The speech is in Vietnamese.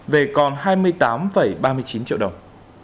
về còn hai mươi tám ba mươi chín triệu đồng